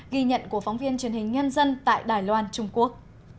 ghi nhận của phóng viên truyền hình nhân dân tại đài loan trung quốc